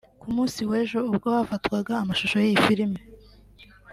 Ku munsi w’ejo ubwo hafatwaga amashusho y’iyi filimi